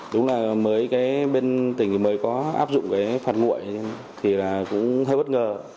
đúng là bên tỉnh mới có áp dụng phạt nguội thì cũng hơi bất ngờ